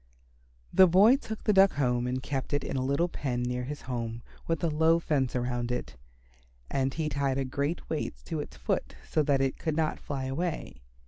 The boy took the Duck home and kept it in a little pen near his home with a low fence around it. And he tied a great weight to its foot so that it could not fly away.